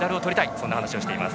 そんな話をしています。